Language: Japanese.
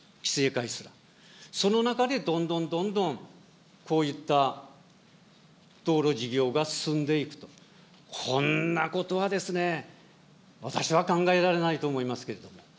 その中で、どんどんどんどんこういった道路事業が進んでいくと、こんなことはですね、私は考えられないと思いますけれども。